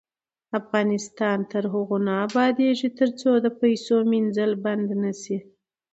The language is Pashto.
افغانستان تر هغو نه ابادیږي، ترڅو د پیسو مینځل بند نشي.